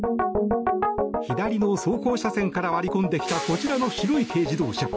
左の走行車線から割り込んできたこちらの白い軽自動車。